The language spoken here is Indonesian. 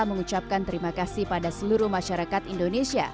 mengucapkan terima kasih pada seluruh masyarakat indonesia